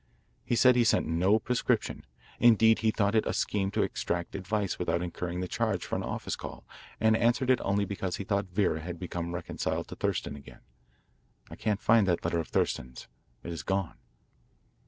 He says he sent no prescription. Indeed, he thought it a scheme to extract advice without incurring the charge for an office call and answered it only because he thought Vera had become reconciled to Thurston again. I can't find that letter of Thurston's. It is gone."